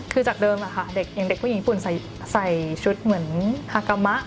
คือจากเดิมอย่างเด็กผู้หญิงฝุ่นใส่ชุดเหมือนฮากามะ